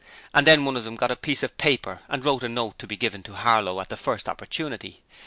And then one of them got a piece of paper and wrote a note to be given to Harlow at the first opportunity.